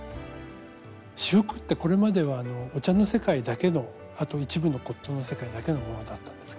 仕覆ってこれまではお茶の世界だけのあと一部の骨とうの世界だけのものだったんですけど。